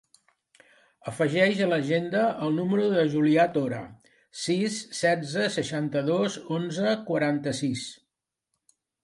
Afegeix a l'agenda el número del Julià Tora: sis, setze, seixanta-dos, onze, quaranta-sis.